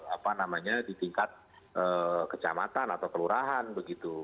apa namanya di tingkat kecamatan atau kelurahan begitu